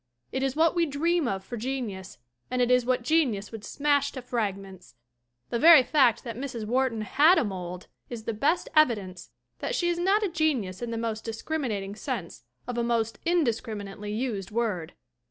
It is what we dream of for genius and it is what genius would smash to frag ments ! The very fact that Mrs. Wharton had a mold is the best evidence that she is not a genius in the most discriminating sense of a most indiscriminately used word.